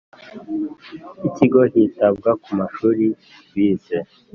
Ikigo hitabwa ku mashuri bize